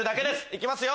いきますよ